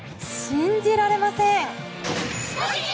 信じられません。